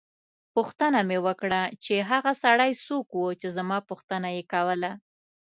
پوښتنه مې وکړه چې هغه سړی څوک وو چې زما پوښتنه یې کوله.